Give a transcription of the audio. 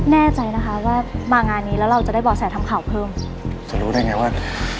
แน่ใจนะคะว่ามางานนี้แล้วเราจะได้บ่อแสทำข่าวเพิ่มจะรู้ได้ไงว่า